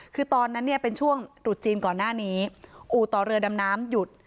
คือตอนนั้นเนี่ยเป็นช่วงตรุษจีนก่อนหน้านี้อู่ต่อเรือดำน้ำหยุด